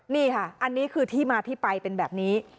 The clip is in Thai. นี่ค่ะอันนี้คือที่มาที่ไปเป็นแบบนี้